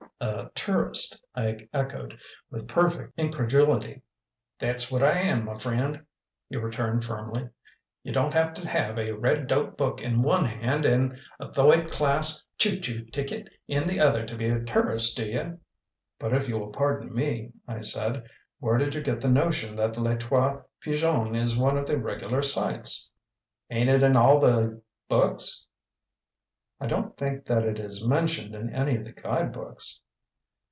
"A tourist?" I echoed, with perfect incredulity. "That's whut I am, m' friend," he returned firmly. "You don't have to have a red dope book in one hand and a thoid class choo choo ticket in the other to be a tourist, do you?" "But if you will pardon me," I said, "where did you get the notion that Les Trois Pigeons is one of the regular sights?" "Ain't it in all the books?" "I don't think that it is mentioned in any of the guide books."